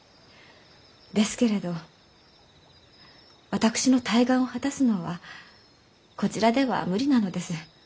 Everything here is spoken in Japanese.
ですけれど私の大願を果たすのはこちらでは無理なのです。